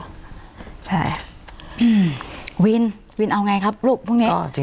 อืมวินวินเอาไงครับลูกพวกนี้